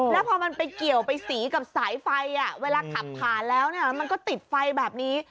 แล้วพอมันไปเกี่ยวไปสีกับสายไฟเวลาขับผ่านแล้วมันก็ติดไฟแบบนี้